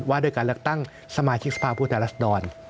ว่าโดยการเลขตั้งสมาคิกสภาพผู้แทนรัฐดร